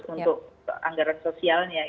empat ratus untuk anggaran sosialnya